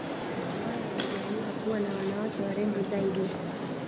ambayo yamejaaliwa kuwa na wanawake warembo zaidi